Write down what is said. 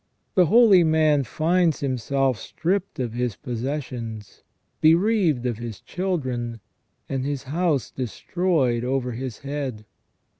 The holy man finds himself stripped of his possessions, bereaved of his children, and his house destroyed over his head.